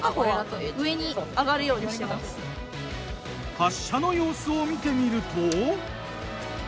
発射の様子を見てみると。